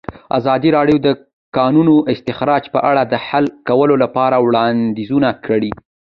ازادي راډیو د د کانونو استخراج په اړه د حل کولو لپاره وړاندیزونه کړي.